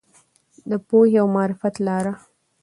د پوهې او معرفت لاره.